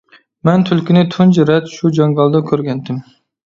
مەن تۈلكىنى تۇنجى رەت، شۇ جاڭگالدا كۆرگەنتىم.